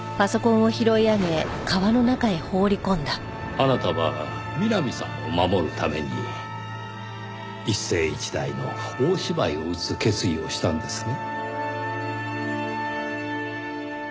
あなたはみなみさんを守るために一世一代の大芝居を打つ決意をしたんですね。